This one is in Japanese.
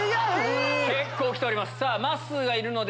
結構来ております。